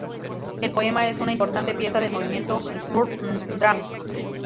El poema es una importante pieza del movimiento "Sturm und Drang".